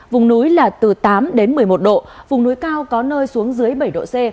vùng núi là từ tám đến một mươi một độ vùng núi cao có nơi xuống dưới bảy độ c